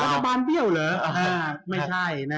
รัฐบาลเบี้ยวเหรอไม่ใช่นะ